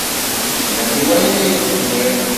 Slan i wayen ay d-nniɣ?